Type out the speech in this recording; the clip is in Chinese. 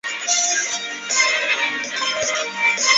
十一年乙酉科乡试举人。